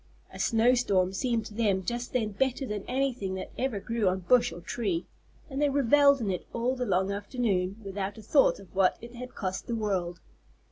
A snow storm seemed to them just then better than anything that ever grew on bush or tree, and they revelled in it all the long afternoon without a thought of what it had cost the world.